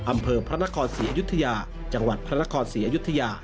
อำเภอพระนครศรีอยุธยาจังหวัดพระนครศรีอยุธยา